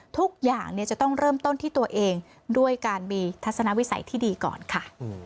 ทุกอย่างจะต้องเริ่มต้นที่ตัวเองด้วยการมีทัศนวิสัยที่ดีก่อนค่ะ